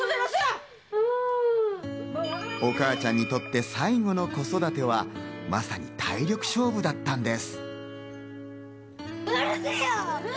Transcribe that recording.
おかあちゃんにとって最後の子育てはまさに体力勝負だったのです。